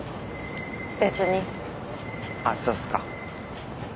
別にあっそうっすか